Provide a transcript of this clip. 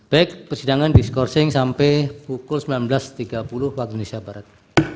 baik persidangan diskorsing sampai pukul sembilan belas tiga puluh waktu indonesia barat